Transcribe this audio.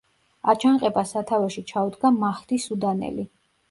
აჯანყებას სათავეში ჩაუდგა მაჰდი სუდანელი.